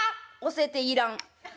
「教ていらん。